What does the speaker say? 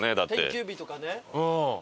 定休日とかね。